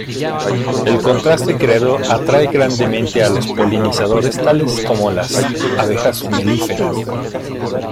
El contraste creado atrae grandemente a los polinizadores tales como las abejas melíferas.